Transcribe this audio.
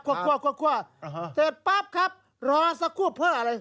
คว่าคว่าคว่าคว่าเสร็จปั๊บครับรอสักครู่เพื่ออะไร